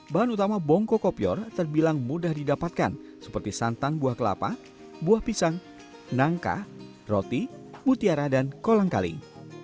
bahan utama bongko kopior terbilang mudah didapatkan seperti santan buah kelapa buah pisang nangka roti mutiara dan kolang kaling